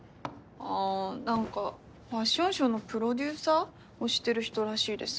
ああ何かファッションショーのプロデューサーをしてる人らしいです。